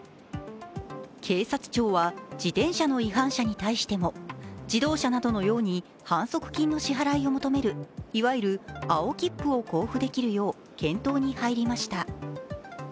警察庁は自転車の違反者に対しても自動車などのように反則金の支払いを求めるいわゆる青切符を交付できるよう検討に入りました。